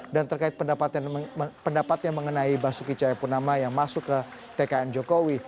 dan terkait pendapatnya mengenai basuki caya punama yang masuk ke tkn jokowi